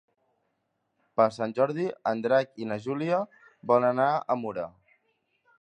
Per Sant Jordi en Drac i na Júlia volen anar a Mura.